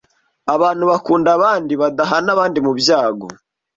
Abantu bakunda abandi badahana abandi mu byago